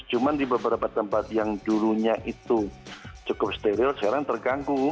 cuma di beberapa tempat yang dulunya itu cukup steril sekarang terganggu